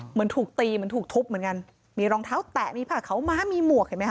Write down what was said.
เหมือนถูกตีเหมือนถูกทุบเหมือนกันมีรองเท้าแตะมีผ้าขาวม้ามีหมวกเห็นไหมค